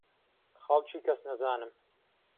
خەڵکی کەسنەزانم.